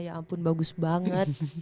ya ampun bagus banget